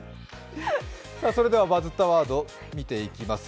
バズったワード見ていきます。